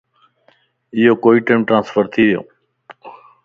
ايو ڪوئيٽيم ٽرانسفرٿي ويو